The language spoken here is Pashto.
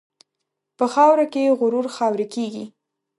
په خاوره کې غرور خاورې کېږي.